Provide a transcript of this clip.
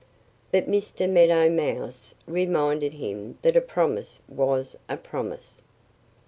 But Mr. Meadow Mouse reminded him that a promise was a promise.